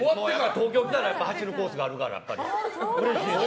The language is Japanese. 東京に来たら走るコースがあるから。